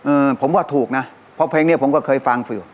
เออผมว่าถูกนะเพราะเพลงเนี้ยผมก็เคยฟังฟิล